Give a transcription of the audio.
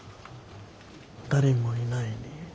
誰もいない。